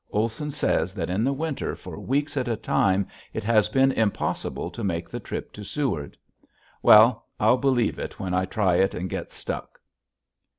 Olson says that in the winter for weeks at a time it has been impossible to make the trip to Seward. Well, I'll believe it when I try it and get stuck."